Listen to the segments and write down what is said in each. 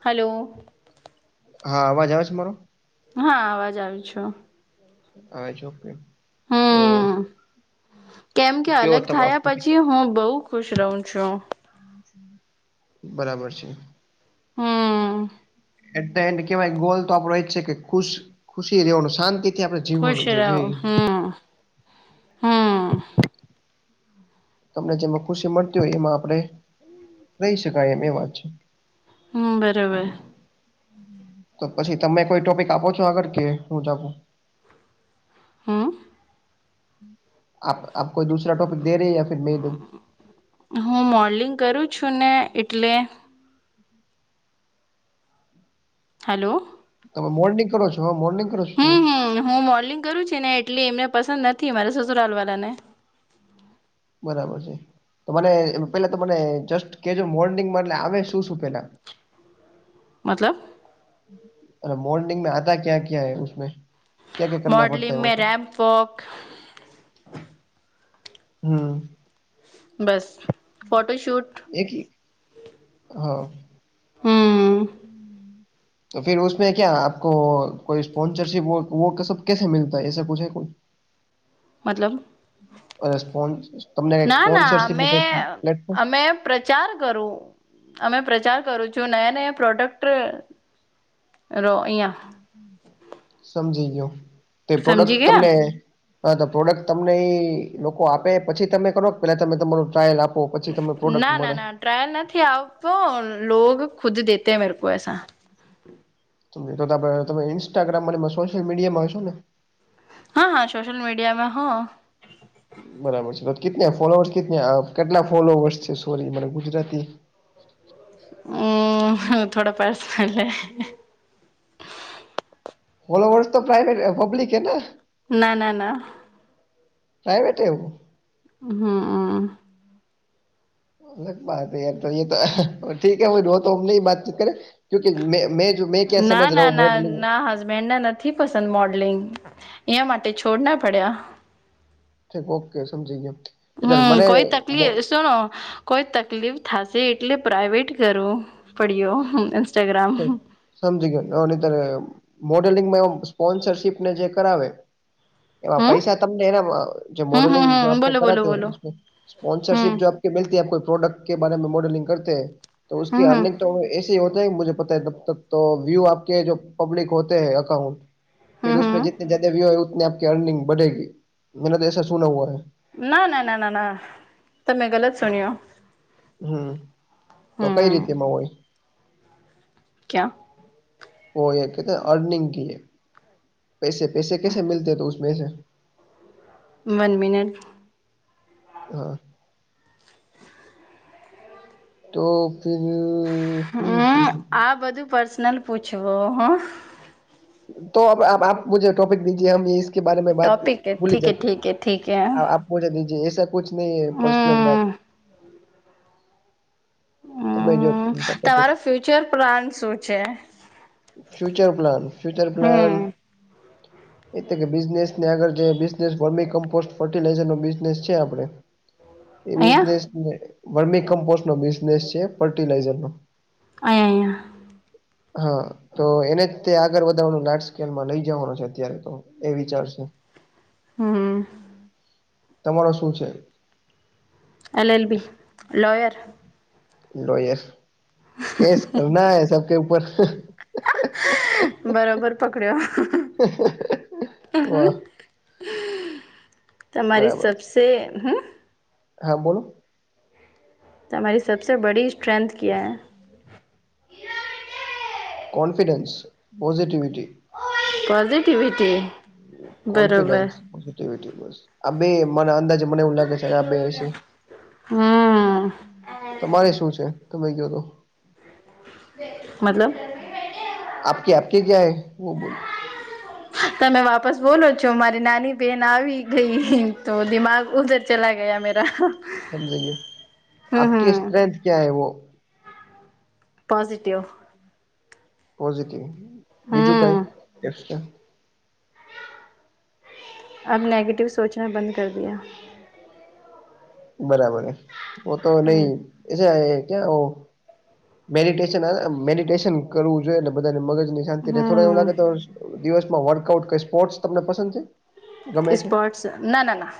Hello. હા, અવાજ આવે છે મારો. હા, અવાજ આવી છે. હજોપે [unintelligible] હમ કેમ તો કે કયો અલગ તમારો થયા ટોપિક પછી, હું બહુ ખુશ રહું છું. બરાબર છે. હમ. એટલે એડ કેવાય, ગોલ તો આપડો છે કે ખુશ ખુશી રહેવાનું, શાંતિ. ખુશ રહો, હમ હમ. તમને જેમાં ખુશી મળતી હોય, એમાં આપણેે રહી શકાય, એમ એ વાત છે. હમ, બરોબર. તો પછી તમે કોઈ ટોપિક આપો છો આગળ, કે હું જ હમ. આપ આપ કોઈ દૂસરા ટોપિક દે રહે હો, મેં દઉ? [inaudible] હું મોડલિંગ કરું છું ને, એટલે. હલો. તમે મોર્નિંગ કરો છો? હવે મોર્નિંગ કરો છો તે. હમ હું મોડલિગ કરું છું ને, એટલે એમને પસંદ નથી, મારા સસુરાલ વાલા ને. બરાબર છે. તો મને પેલા તો, મને જસ્ટ કે જે, મોડલિગ એટલે આવે શું શું પેલા? [unintelligible] મતલબ? અ, મોડલિગ મે આતા ક્યા ક્યા જોએ? મોડલિંગમાં રેમ્પ વોક. હમ બસ ફોટોશૂટ એકી [unintelligible] હા. હમ તો, ફરી ઉમે ક્યા આપકો? [inaudible] કોઈ સ્પોન્સરશિપ સબ કેસે મલતા એસા કછે કો [inaudible] મતલબ? અને તમને ક ના ના સ્પોન્સરશીપ અમે કક પ્લેટફોર્મ? અમે પ્રચાર કરું, અમે પ્રચાર કરું છું નયા નયા પ્રોડક્ટ. રો અહીંયા. સમજી ગયો, તે સમજી પ્રોડક્ટ ગયા તમને. હા, તો પ્રોડક્ટ તમને એ લોકો આપે, પછી તમે કરો. પેલા તમે તમાર ટ્રાયલ આપો. કો પછી તમને પ્રોડક્ટ ના ના મળે. ના ટ્રાયલ નથી આવતો, લોગ ખુદ દેતે મેરે કો, એસા. તમે તો આપડે ઇન્સ્ટાગ્રામ સોશિયલ મીડિયામાં હશો ને? હા, હા, સોશયલ મીડિયામાં હ. બરાબર છે, તો કે ફોલોવર્સ કિતને કેટલા ફોલોવર્સ છે? સોરી મને ગુજરાતી [inaudible] હમ્મ હ થોડા પર્સનલ હે. બીલો વર્ષ તો પ્રાઈવેટ પબ્લિક હે ને ના-ના-ના. પ્રાઇવેટ હે એઉ હમ્મ હમ્મ અલગ બાત યાર તો તો ઠીક હૈ વો તો હુ વાતચીત કરે ક્યૂકી મે મે ના ના ના ના હસબેન્ડ ના ન નથી પસંદ મોડલિંગ એં માટે છોડ ના પડ્યા. ઓકે સમજી ગયા. હમ્મ કોઈ તકલીફ શેનો કોઈ તકલીફ થશે એટલે પ્રઇવેટ કરું પડ્યો ઇન્સ્ટાગ્રામ સમજી ગયો મોડેલિંગમાં એ સ્પોન્સરશીપ ને જે કરાવે એવા હમ પૈસા તમને એને જે હમ હમ મોડેલિંગ જો હમ આપ બોલો બોલો કરાતે બોલો હે હમ સ્પોન્સરશિપ જો આપ મીલતી કોઈ પ્રોડક્ટ કે બારે મેં મોડલિંગ કરતે તો હમ ઉસકી હમ અર્નિંગ તો હોતા હૈ પતા હૈ તબ તક તો વ્યુ આપકે જો પબ્લિક હોતે હૈ અકાઉન્ટ ફિર હમ હમ જીતના જ્યાદા વ્યુ હો ઉતની આપ અર્નિંગ બડેગી મેને તો એસા સુના હુઆ હૈ. ના-ના-ના-ના-ના તમે ગલત સુણ્યો. હમ્મ તો કઈ હમ રીતેમાં હોય. ક્યા? ઓ એ કેતા અર્નિંગ કી પૈસે પૈસે કેસે મીલતે તો બે છે. વન મિનિટ હમ્મ તો ફિર હમ્મ આ બધું પર્સનલ પૂછવું હું તો અ આપ મુજે ટોપિક દીજે હમ કે બારે મેં બાત ટોપિક ભૂલી ઠીકે જાતે ઠીકે ઠીકે આપ મુજે દીજીએ એસા કુછ નહી હ પર્સનલ બાત હમ તમે જો હમ બીજા ટોપિક તમારો ફ્યુચર પ્લાન શું છે હમ ફ્યુચર પ્લાન ફ્યુચર પ્લાન અહીંયા એટલે કે બિઝનેસ ને આગળ જે બિઝનેસ વમી કમ્પોસ્ટ ફર્ટિલાઈઝરનો બિઝનેસ છે આપડે એ અહીંયા બિઝનેસ વર્મી કમ્પોસ્ટ નો બિઝનેસ છે ફર્ટિલાઈઝર નો અહીં અહીયા હા તો એને જ તે આગળ વધારવાનું લાર્જ સ્કેલમાં લઈ જવાનો છે અત્યારે તો એ વિચારશે. હમ્મ. તમારો શું છે? L L B lawyer. Lawyer case કરના હૈ સબ કે ઉપર બરોબર પકડ્યો વાહ તમારી બરાબર સબસે હમ્મ. હા બોલો. તમારી સબસે બડી સ્ટ્રેન્થ ક્યાં હે. કોન્ફિડેન્સ પોઝિટિવિટી પોઝિટિવિટી બરોબર કોન્ફિડન્સિ બ આ બે મ અંદાજે મને એ લે બે છે હમ તમારે શું છે તમે કયો તો મતલબ આપ ક આપ કે ક્યાય વ બોલ તમે વાપસ બોલો છો મારી નાની બેહેન આવી ગઈ તો દિમાગ ઉધર ચલા ગયા મેરા. સમજએ હમ આપકી હમ સ્ટ્રેથ ક્યા હૈ વો. પોઝિટિવ. પોઝિટિવ બીજું હમ કાંઈ કઈટે. અ નેગેટિવ સોચના બંધ કર દયા. બરાબર ઓ તો નઈ એ છે ક્યા મેડિટેેશન મેડિટેશન કરવું જોઈએ બધાને મગજની શાંતિ રહે થોડ એવું લાગે તો દિવસમાં વર્કઆઉટ ક સ્પોર્ટસ તમને પસંદ છે. ગમે છે સ્પોર્ટસ ના ના ના.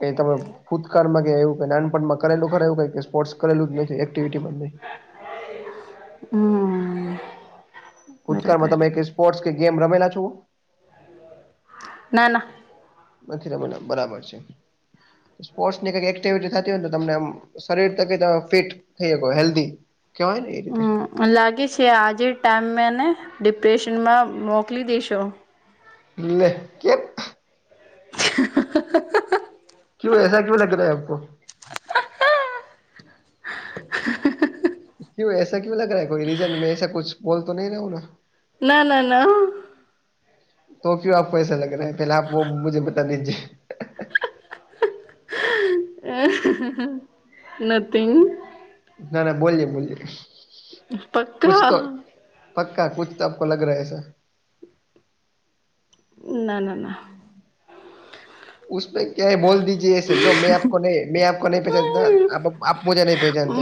કઈ તમે ભૂતકાળમાં એવું કઈ નાનપણમાં કરે ખર એ કઈ સ્પોર્ટસ કરેલું નથી એક્ટિવિટીમાં નહી. હમ્મ. ભૂતકાળમાં તમે સ્પોર્ટસ કે ગેમ રમેલા છો? ના ના. નથી રમેલા બરાબર છે સ્પોર્ટની કઈક એક્ટિવિટી થતી હોય તો તમને શરીર તકે ફીટ હેલ્ધી કેવાય ને એ હમ રીતે. લાગે છે આજે ટાઈમ મેને ડિપ્રેશનમાં મોકલી દેશો. એટલે કેમ. [unintelligible] ક્યુ એસા ક્યુ લગ રહા આપકો. [unintelligible] કું એસા કવું લગ રહા કોઈ રીઝન મેંસા ક બોલ તો નહી રહુંને. ના ના ના. તો કયું આપ એૈસા લગ રહ હ પેલા આપ વ મુજે બતા દિજીએ. નથિંગ. પક્કા [inaudible] પક્કા કુછ તો આપ લગ રહ સ. ના ના. ક્યા બોલ દીજય જો મેં આપોને મેં આપ ન પચ આપ મુજ ન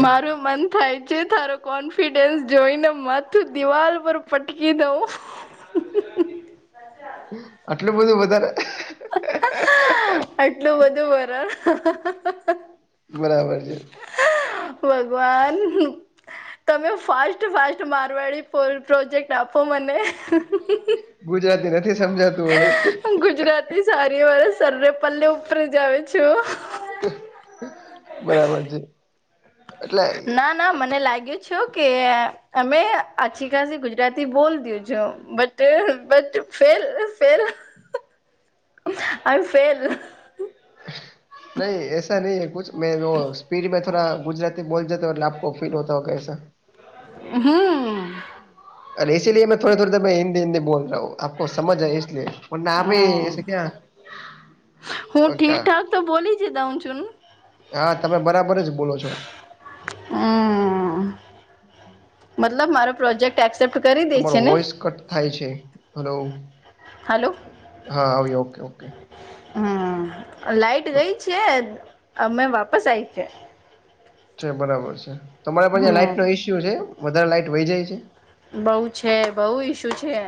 મારું મન થાય છે. તારો કોન્ફિડન્સ જોઈને માથું દિવાલ પર પટકી દઉં. આટલું બધું વધારે. આટલું બધું બરાબર. બરાબર છે. ભગવાન તમે ફાસ્ટ ફાસ્ટ મારવાડી પ્રોજેક્ટ આપો મને. ગુજરાતી નથી સમજાતું હવે. હ ગુજરાતી સારીવાળ સરરેપલ્લે ઉપર જાવ છું. બરાબર છે. એટલે ના ના મને લાગ્યું છે કે અમે આછી ખાાસ ગુજરાતી બોલ દું છું બટ બટ ફેલ ફ આ ફેલ નહી એસા નહી હ કુછ મે સ્પીડ મે થોડા ગુજરાતી બોલ જ લાભ કો ફીલ હોતા હોય કસા. હમ્મ. અરેલે મેં થડ થોડ હિન્દી હિન્દી બોલ રહા હમ હું. [unintelligible] હું ઠીકઠાક તો બોલી જ જાઉં છું. હા તમે બરાબર જ બોલો છો. હમ્મ મતલબ મારો પ્રોજેક્ટ એક્સેપ્ટ કરી. દે તમારો છે ને વોઇસ કટ થાય છે હેલો હા આવી ઓ કે ઓ કે હમ્મ લાઈટ ગઈ છે અમે વાપસ આઈ છે બરાબર છે તમારા પાસે હમ લાાઈટનો ઇસ્યુ છે વધારે લાઈટ વહી જાય છે બોઉ છે બોઉ ઇસુ છે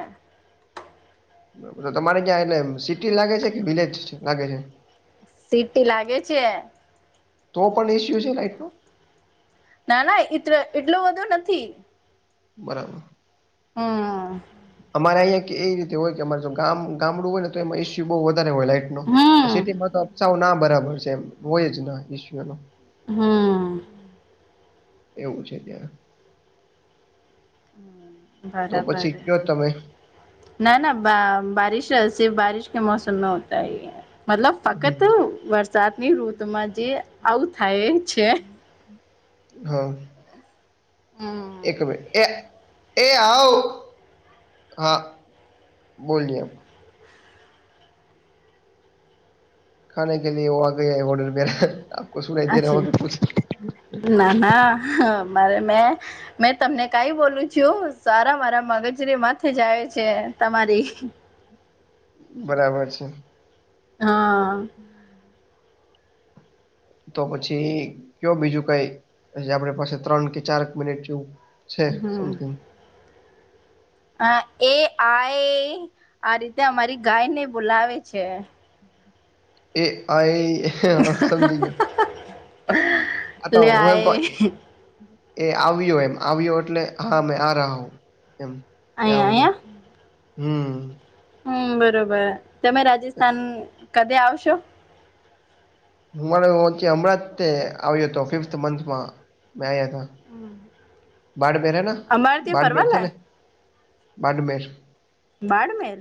તમારે જ્યાં એટલે સિ ટી લાગે છે કે વિલેજ લાગે છે સી ટી લાગે છે તો પણ ઇસ્યુ છે લાઈટ નો ના ના એટલો બધો નથી બરાબર હમ્મ - અમારે અહિયાં એ રીતે હોય કે અમારે જો ગામડું હોય ને તો એમાં ઈસ્યુ બો વધારે હોય લાાઈટ નો સિ હમ ટી માં તો અફસાવ ના બરાબર છે આમ હોયજ ના ઇશ્યુ એનો હમ્મ એવું છે ત્યાં તો બરાબર પછી કયો તમે ના ના બારીશ આવસે બારીશ આવસે [unintelligible] હમ [unintelligible] ઋતુ માં જે આવું થાય છે હ હમ એક મિનિટ એ એ આવ હા બોલીએ અચ્છા [unintelligible] ના ના મારે મેં મેં તમને કાઈ બોલું છું સારા મારા મગજરી માથે જાય છે તમારી બરાબર છે હા તો પછી કયો બીજું કઈ પછી આપડ પાસે ત્રણ કે ચાર મિનિટ છે છે સમથિંગ હ એ આઈ આ રીતે અમારી ગાય ને બોલાવે છે એ આઈ સમજી લે ગીયો આય [unintelligible] એ આવ્યો એમ આવ્યો એટલે હા મે આ રા હુ અયા [unintelligible] હમ્મ હમ્મ બરોબર તમે રાજસ્થાન કદી આવશો [unintelligible] હમ્મ - [unintelligible] બાડમેર બાડમેર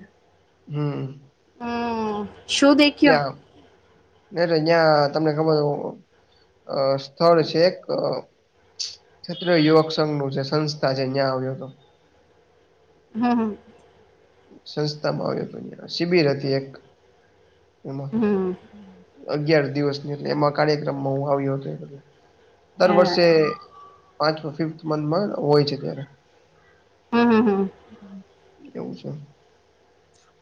હમ્મ - હમ્મ શું દેખીયો [unintelligible] સ્થળ છે એક ક્ષત્રિય યુવક સંઘ નો સંસ્થા છે [unintelligible] હમ્મ હમ્મ સંસ્થામાં આવિયો શિબિર હતી એક એમાં હમ અગિયાર દિવસની એટલે એમાં કાર્યક્રમમાં હું આવ્યો હતો દર અ વર્ષે પાંચ ફિફ્થ મંથમાં હોય છે ત્યારે હમ્મ હમ્મ એવું છે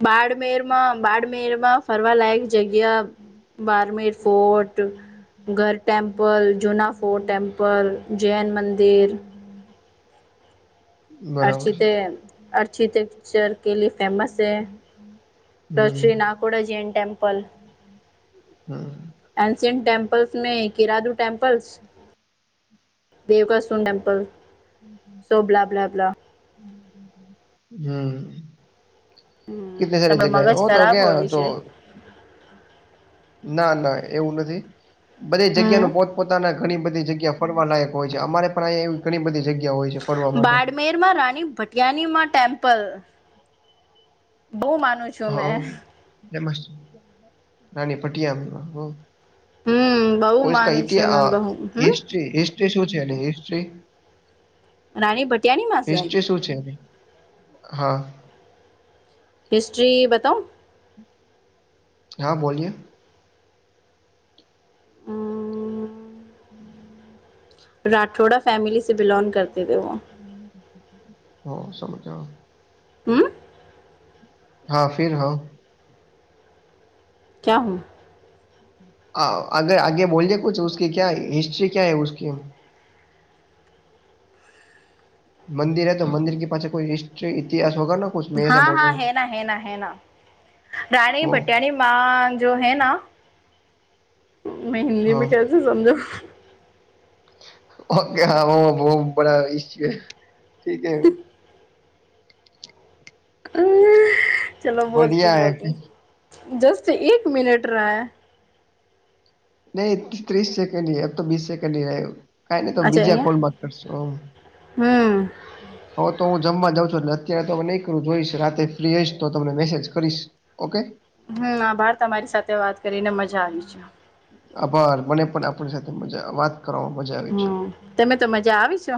બાડમેર માં બાડમેરમાં ફરવા લાયક જગ્યા બારમેર ફોર્ટ ગર ટટેમ્પલ જૂના ફોર્ટ ટેમ્પલ જૈન મંદિર બરાબર છે અરછીતે અરચીત પિક્ચર કે લ ફેમસ છે. હમ્મ. શ્રી નાકોડા જૈન ટેમપલ. હા. એન્શિયન્ટ ટેમપલ્સ મે કેરાદુ ટેમ્પલ્સ. દેવકાસુન temple. So blah blah blah hmm. હમ કતની સારી તમારો જગ્યા હ મગજ હો તો ખરાબ ગ્યા હોવી તો. છે ના ના એવું નથી બધે જગ્યા હમ ન પોત પોતાના ઘણી બધી જગ્યા ફરવા લાયક હોય છે અમારે પણ અયા એવી ઘણી બધી જગ્યા હોય છે ફરવા માટે. માં રાની ભટિયાનીમાં ટેમ્પલ બહુ માનું. છું હ મેં ફેમસ રાની પટીયા. હમ બહુ ઓ માનું ઇતિહ છું મેં બહુ હમ હિસ્ટ્રી હિસ્ટ્રી શું છે હિસ્ટ્રી. રાણી ભટિયાનીમાં છે હિસ્ટસ્ટ્રી શું છે હા. હિસ્ટ્રી બતાંવ. હા બોલીએ. હ. હમ્મ. રાઠોડા ફેમલીસે બિલૉગ કરતી થે વો. હ સમજો. હમ્મ. હા ફિર હા. હું. હ આગે આગે બોલીજે કુ ક્યા હિસ્ટ્રી ક્યા હૈ ઉસમે. મંદિર હ તો મંદિર કે પાસે કોઈ હિસ્ટ્રી ઇતિહાસ હોગ ન. હા હા હેના હેના હેના રાણી ભટિયાણી જો હૈ ના મે હિન્દીદી મે ક સમજું. ઓકે હા બહ બરા ઇશ્યુ હ ઠીક હ. ચલો બોલતી બોલતી દસ એક મિનટ રહેૈ. નહી ત્રીસ સેકન્ડ અબ તો બીસ સેકન્ડ રહે. કઈ નહી તો અચ્છા બીજા અહિયાં કોલમાં કરશો. હમ હ તો હું જમવા જાઉં છું એટલે અત્યારે તો હ નહી કરું જોઈશ રાતે ફ્રી આવીઈશ તો તમને મેસેજ કરીશ. ઓકે. હમ્મ આભાર તમારી સાથે વાત કરીને મજા આવી છે. આભાર મને પણ આપણી સાથે મજા વાત કરી મજા. આવી છે હમ્મ તમે તો મજા આવીશો.